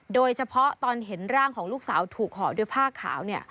โดยเฉพาะตอนเห็นร่างของลูกสาวถูกห่อด้วยผ้าขาว